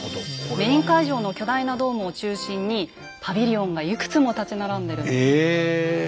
メイン会場の巨大なドームを中心にパビリオンがいくつも立ち並んでるんです。